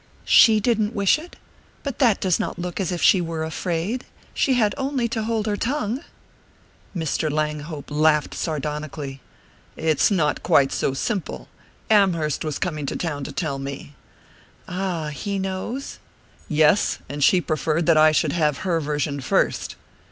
"She didn't wish it? But that does not look as if she were afraid. She had only to hold her tongue!" Mr. Langhope laughed sardonically. "It's not quite so simple. Amherst was coming to town to tell me." "Ah he knows?" "Yes and she preferred that I should have her version first."